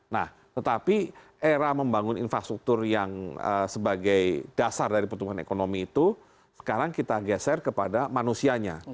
nah tetapi era membangun infrastruktur yang sebagai dasar dari pertumbuhan ekonomi itu sekarang kita geser kepada manusianya